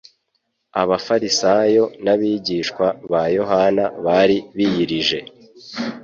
Abafarisayo n'abigishwa ba Yohana bari biyirije